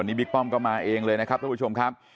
นี่บิ๊กป้อมก็มาเองเลยนะครับทุกผู้ชมครับ